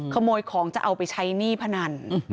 ขโมยของจะเอาไปใช้หนี้พนัน